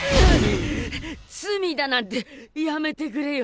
罪だなんてやめてくれよ！